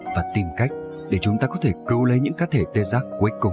và tìm cách để chúng ta có thể cứu lấy những cá thể tê giác cuối cùng